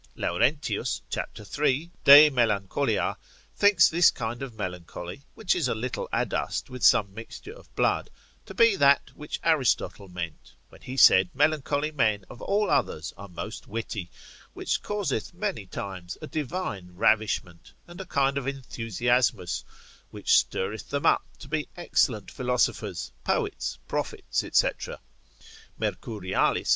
Laurentius cap. 3. de melan. thinks this kind of melancholy, which is a little adust with some mixture of blood, to be that which Aristotle meant, when he said melancholy men of all others are most witty, which causeth many times a divine ravishment, and a kind of enthusiasmus, which stirreth them up to be excellent philosophers, poets, prophets, &c. Mercurialis, consil.